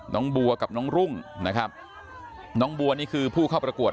น้องบัวกับน้องรุ่งนะครับน้องบัวนี่คือผู้เข้าประกวด